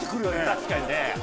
確かにね。